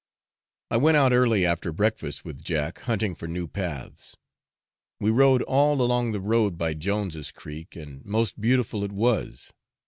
I went out early after breakfast with Jack hunting for new paths; we rode all along the road by Jones's Creek, and most beautiful it was.